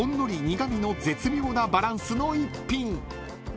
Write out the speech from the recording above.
苦味の絶妙なバランスの一品］